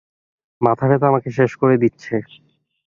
মাথা ব্যাথা আমাকে শেষ করে দিচ্ছে।